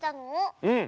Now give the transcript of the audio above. うん。